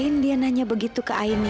kenapa dia nanya begitu ke aini